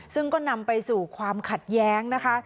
ซึ่งก็นำไปสู่ความขัดแย้งนะคะ